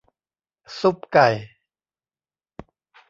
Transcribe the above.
ซุปไก่